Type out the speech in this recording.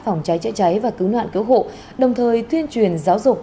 phòng cháy chữa cháy và cứu nạn cứu hộ đồng thời tuyên truyền giáo dục